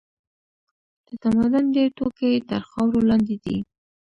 د تمدن ډېر توکي تر خاورو لاندې دي.